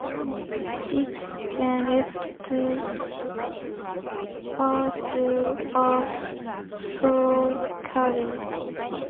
Stips then left to pursue a solo career.